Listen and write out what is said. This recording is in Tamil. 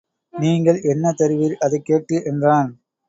நீங்கள் என்ன தருவீர் அதைக்கேட்டு என்றான்.